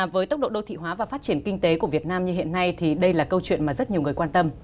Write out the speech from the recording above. với tốc độ đô thị hóa và phát triển kinh tế của việt nam như hiện nay thì đây là câu chuyện mà rất nhiều người quan tâm